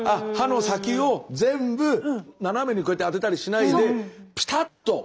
刃の先を全部斜めにこうやって当てたりしないでピタッと。